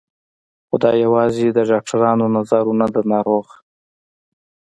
خو دا يوازې د ډاکترانو نظر و نه د ناروغ.